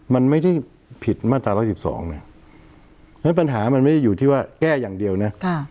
แล้วไม่ใช่ปิดมาตร๑๑๒เนี่ยแล้วปัญหามันไม่ได้อยู่ที่ว่าแก้อย่างเดียวเนี่ย